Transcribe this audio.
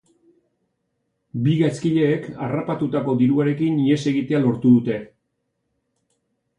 Bi gaizkileek harrapatutako diruarekin ihes egitea lortu dute.